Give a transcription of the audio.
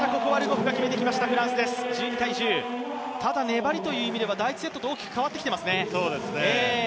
粘りという意味では第１セットと大きく変わってきていますね。